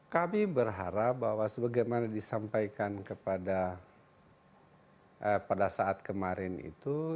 kami berharap bahwa sebagaimana disampaikan kepada pada saat kemarin itu